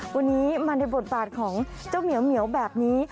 วันนี้มาในบทบาทของเจ้าเหมียวแบบนี้